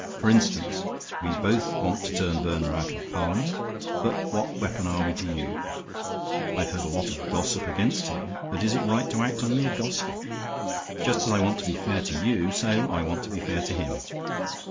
For instance, we both want to turn Verner out of Parliament, but what weapon are we to use? I've heard a lot of gossip against him, but is it right to act on mere gossip? Just as I want to be fair to you, so I want to be fair to him.